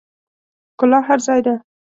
ښکلا هر ځای ده